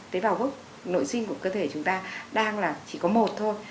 tế bào gốc nội sinh của cơ thể chúng ta đang là chỉ có một thôi